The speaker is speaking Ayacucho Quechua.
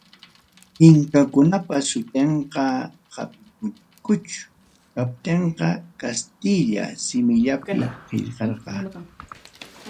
Inkakunapa sutinta hapiykuchkaptinpas, kastilla simillapi qillqarqa.